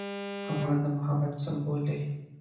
افغان د محبت سمبول دی.